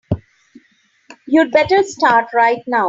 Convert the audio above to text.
You'd better start right now.